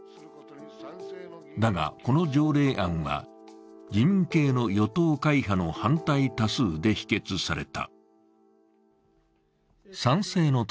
だが、この条例案は自民系の与党会派の反対多数で否決された。